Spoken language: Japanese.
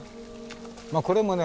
これもね